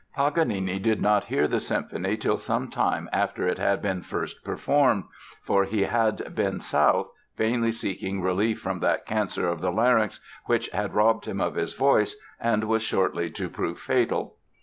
Paganini did not hear the symphony till some time after it had been first performed, for he had been south, vainly seeking relief from that cancer of the larynx which had robbed him of his voice and was shortly to prove fatal.